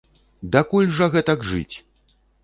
Дакуль жа гэтак жыць!